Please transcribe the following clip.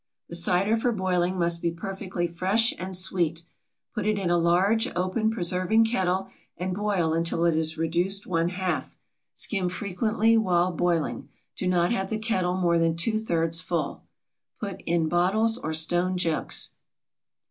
The cider for boiling must be perfectly fresh and sweet. Put it in a large, open preserving kettle and boil until it is reduced one half. Skim frequently while boiling. Do not have the kettle more than two thirds full. Put in bottles or stone jugs.